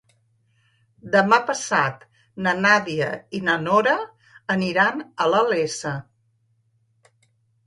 Demà passat na Nàdia i na Nora aniran a la Iessa.